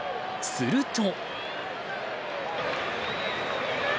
すると。